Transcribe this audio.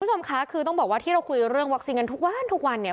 คุณผู้ชมคะคือต้องบอกว่าที่เราคุยเรื่องวัคซีนกันทุกวันทุกวันเนี่ย